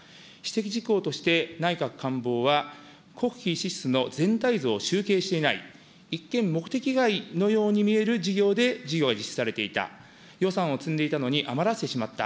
指摘事項として、内閣官房は、国費支出の全体像を集計していない、一見、目的外のように見える事業で事業は実施されていた、予算を積んでいたのに余らせてしまった。